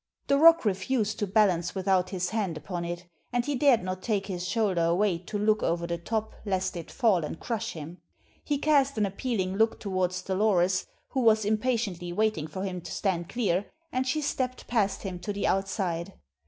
The rock refused to balance without his hand upon it, and he dared not take his shoulder away to look over the top lest it fall and crush him. He cast an appealing look toward Dolores, who was impatiently waiting for him to stand clear, and she stepped past him to the outside.